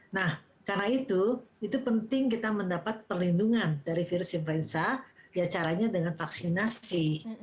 nah karena itu itu penting kita mendapat perlindungan dari virus influenza ya caranya dengan vaksinasi